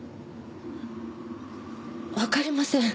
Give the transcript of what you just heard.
わかりません。